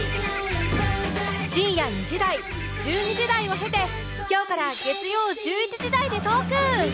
深夜２時台１２時台を経て今日から月曜１１時台でトーク！